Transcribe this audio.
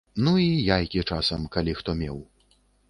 Ну, і яйкі часам, калі хто меў.